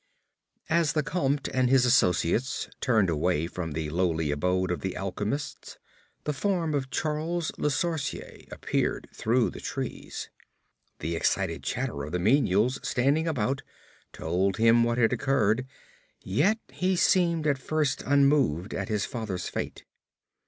As the Comte and his associates turned away from the lowly abode of the alchemists, the form of Charles Le Sorcier appeared through the trees. The excited chatter of the menials standing about told him what had occurred, yet he seemed at first unmoved at his father's fate.